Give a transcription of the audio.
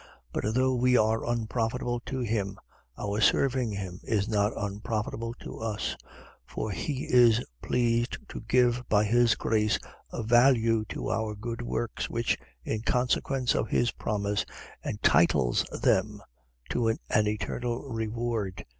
But though we are unprofitable to him, our serving him is not unprofitable to us; for he is pleased to give by his grace a value to our good works, which, in consequence of his promise, entitles them to an eternal reward.